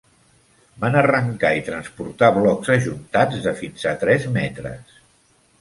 Van arrencar i transportar blocs ajuntats de fins a tres metres.